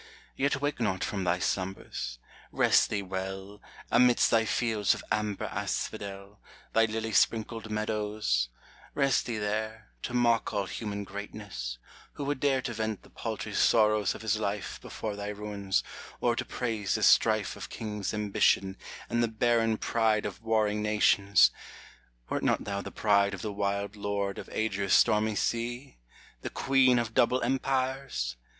Yet wake not from thy slumbers, — rest thee well, Amidst thy fields of amber asphodel, Thy lily sprinkled meadows, — rest thee there, To mock all human greatness : who would dare To vent the paltry sorrows of his life Before thy ruins, or to praise the strife Of kings' ambition, and the barren pride Of warring nations ! wert not thou the Bride Of the wild Lord of Adria's stormy sea ! The Queen of double Empires